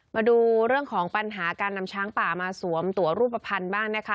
มาดูเรื่องของปัญหาการนำช้างป่ามาสวมตัวรูปภัณฑ์บ้างนะคะ